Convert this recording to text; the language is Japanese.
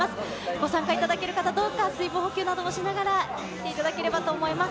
ご参加いただける方、どうか水分補給などもしながら、来ていただければと思います。